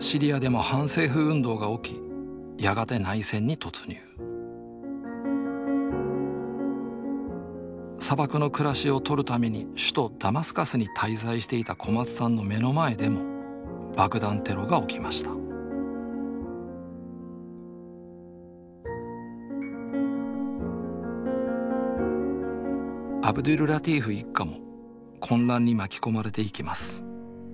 シリアでも反政府運動が起きやがて内戦に突入砂漠の暮らしを撮るために首都ダマスカスに滞在していた小松さんの目の前でも爆弾テロが起きましたアブドュルラティーフ一家も混乱に巻き込まれていきます。